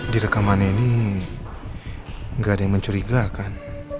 di rekaman ini gak ada yang mencurigakan